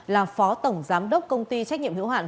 là phó tổng giám đốc công ty trách nhiệm hữu hạn